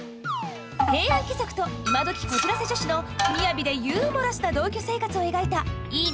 平安貴族と今どきこじらせ女子の雅でユーモラスな同居生活を描いた「いいね！